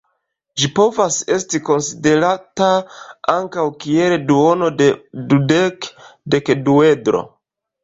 Ĝi povas esti konsiderata ankaŭ kiel duono de dudek-dekduedro.